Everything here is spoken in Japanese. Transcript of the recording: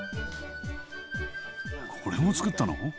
これもつくったの？